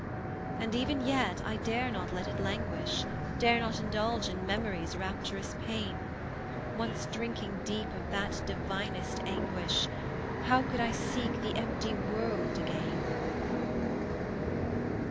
And, even yet, I dare not let it languish, Dare not indulge in memory's rapturous pain; Once drinking deep of that divinest anguish, How could I seek the empty world again?